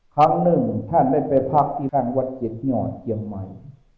ครั้งหนึ่งท่านได้ไปพักที่ทางวัดเกดเงาะเกียงหมาย